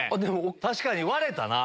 確かに割れたな。